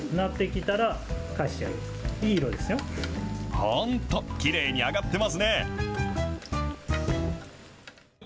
本当、きれいに揚がってますね。